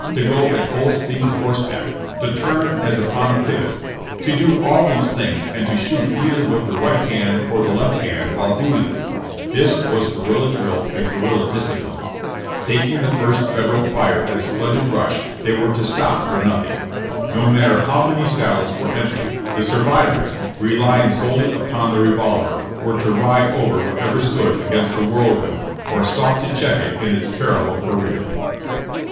47 to go at full speed horseback, to turn as upon a pivot — to do all these things and to shoot either with the right hand or the left while doing them — this was guerrilla drill and guerrilla discipline. Taking the first Federal fire at a splendid rush, they were to stop for nothing. No matter how many saddles were emptied, the survivors— relying solely upon the re volver — were to ride over whatever stood against the whirlwind or sought to check it in its terrible career.